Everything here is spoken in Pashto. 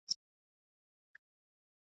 پنجرې دي د فولادو زما وزر ته نه ټینګېږي .